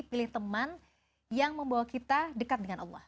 jadi pilih teman yang membawa kita dekat dengan allah